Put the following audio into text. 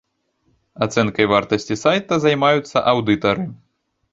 Ацэнкай вартасці сайта займаюцца аўдытары.